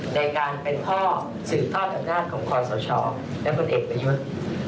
ในการเป็นท่อสื่อท่อธนาฏของควรสะช้อและคนเอกประยุทธ์